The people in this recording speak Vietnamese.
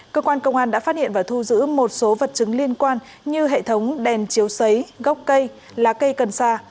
cơ quan công an đã phát hiện và thu giữ một số vật chứng liên quan như hệ thống đèn chiếu xấy gốc cây lá cây cần sa